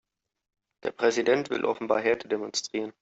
Der Präsident will offenbar Härte demonstrieren.